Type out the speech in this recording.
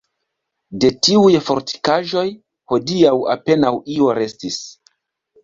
De tiuj fortikaĵoj hodiaŭ apenaŭ io restis.